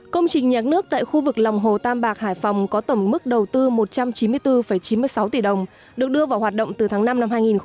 công trình nhà nước tại khu vực lòng hồ tam bạc hải phòng có tổng mức đầu tư một trăm chín mươi bốn chín mươi sáu tỷ đồng được đưa vào hoạt động từ tháng năm năm hai nghìn một mươi